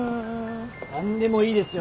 何でもいいですよ！